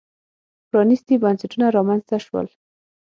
پرانېستي بنسټونه رامنځته شول.